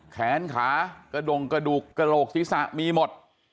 แขนขากระดงกระดูกกระโหลกศีรษะมีหมด